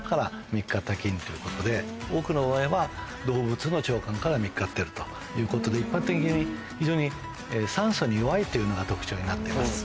見つかった菌ということで多くの場合は動物の腸管から見つかってるということで一般的に非常に酸素に弱いというのが特徴になっています。